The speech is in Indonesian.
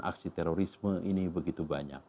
aksi terorisme ini begitu banyak